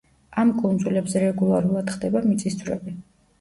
ამ კუნძულებზე რეგულარულად ხდება მიწისძვრები.